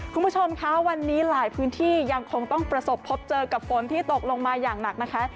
คุณผู้ชมคะวันนี้หลายพื้นที่ยังคงต้องประสบพบเจอกับฝนที่ตกลงมาอย่างหนักนะคะ